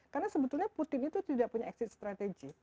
karena sebetulnya putin itu tidak punya exit strategy